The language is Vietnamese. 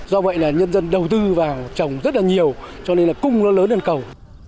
do vậy là nhân dân đầu tư vào trồng rất là nhiều cho nên là cung nó lớn hơn cầu